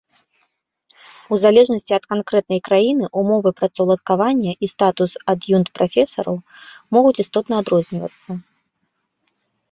У залежнасці ад канкрэтнай краіны умовы працаўладкавання і статус ад'юнкт-прафесараў могуць істотна адрознівацца.